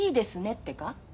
ってか？